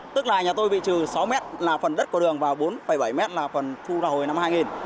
tức là nhà tôi bị trừ sáu mét là phần đất của đường vào bốn bảy mét là phần thu là hồi năm hai nghìn